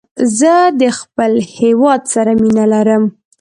زه د خپل هېواد سره مینه لرم